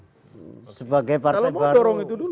kalau mau dorong itu dulu